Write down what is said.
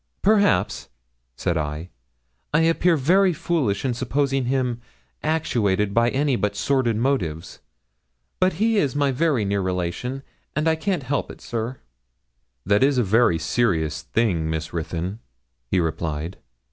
'Perhaps,' said I, 'I appear very foolish in supposing him actuated by any but sordid motives; but he is my near relation, and I can't help it, sir.' 'That is a very serious thing, Miss Ruthyn,' he replied.